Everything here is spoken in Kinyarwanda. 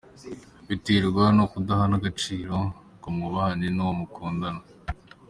Biterwa nukudahana agaciro ngo mwubahane nuwo mukundana.